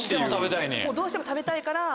どうしても食べたいねや？